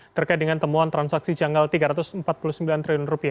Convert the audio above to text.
terkait dengan temuan transaksi janggal rp tiga ratus empat puluh sembilan triliun